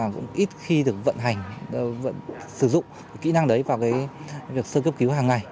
cũng ít khi được vận hành sử dụng kỹ năng đấy vào việc sơ cấp cứu hàng ngày